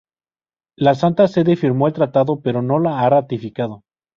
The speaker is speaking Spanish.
La Santa Sede firmó el tratado pero no lo ha ratificado.